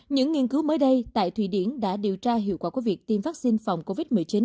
những nghiên cứu mới đây tại thụy điển đã điều tra hiệu quả của việc tiêm vaccine phòng covid một mươi chín